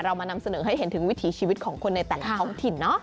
มานำเสนอให้เห็นถึงวิถีชีวิตของคนในแต่ละท้องถิ่นเนอะ